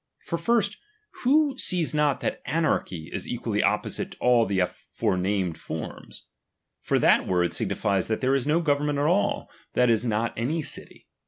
For first, who sees not that anarchy is equally opposite to all the aforenamed forms ? For that word signifies that there is no government at all, that is, not any city.